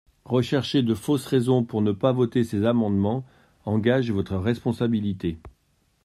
Rechercher de fausses raisons pour ne pas voter ces amendements engage votre responsabilité.